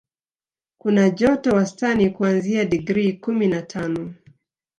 Kuna joto wastani kuanzia digrii kumi na tano